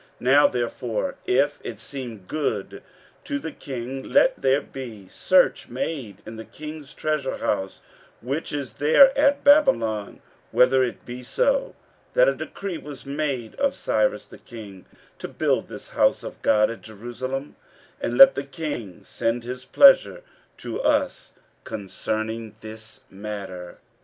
15:005:017 Now therefore, if it seem good to the king, let there be search made in the king's treasure house, which is there at Babylon, whether it be so, that a decree was made of Cyrus the king to build this house of God at Jerusalem, and let the king send his pleasure to us concerning this matter.